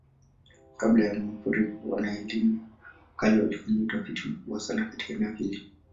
Kabla ya mafuriko, wana-elimu wa kale walifanya utafiti mkubwa sana katika eneo hili.